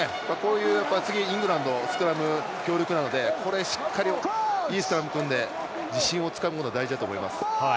次、イングランドスクラム強力なので、しっかりいいスクラム組んで、自信をつかむことが大事だと思います。